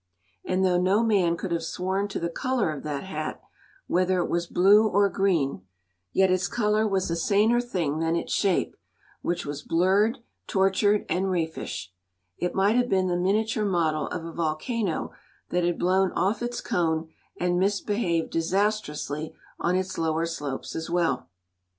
And though no man could have sworn to the color of that hat, whether it was blue or green, yet its color was a saner thing than its shape, which was blurred, tortured, and raffish; it might have been the miniature model of a volcano that had blown off its cone and misbehaved disastrously on its lower slopes as well.